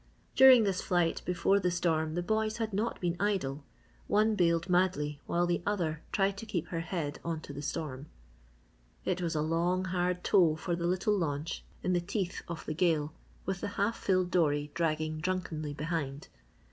During this flight before the storm the boys had not been idle. One bailed madly while the other tried to keep her head on to the storm. It was a long hard tow for the little launch in the teeth of the gale with the half filled dory dragging drunkenly behind.